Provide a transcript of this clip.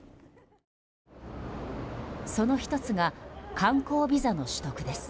その１つが観光ビザの取得です。